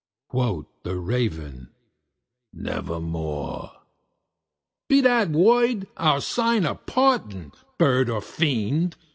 Quoth the Raven, "Nevermore." "Be that word our sign of parting, bird or fiend!"